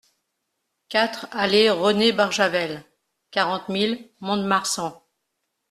quatre allée René Barjavel, quarante mille Mont-de-Marsan